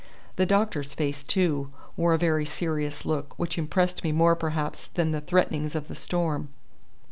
The doctor's face, too, wore a very serious look, which impressed me more perhaps than the threatenings of the storm.